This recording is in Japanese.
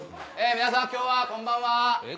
皆さん今日はこんばんは。